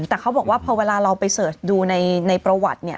แต่เขาบอกว่าพอเวลาเราไปเสิร์ชดูในประวัติเนี่ย